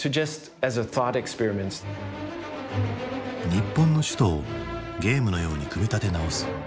日本の首都をゲームのように組み立て直す。